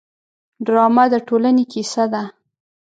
ډرامه د ټولنې کیسه ده